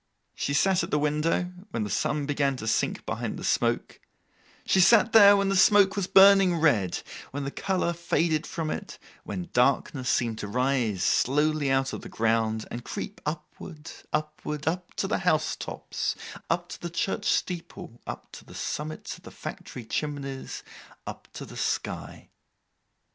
She sat at the window, when the sun began to sink behind the smoke; she sat there, when the smoke was burning red, when the colour faded from it, when darkness seemed to rise slowly out of the ground, and creep upward, upward, up to the house tops, up the church steeple, up to the summits of the factory chimneys, up to the sky.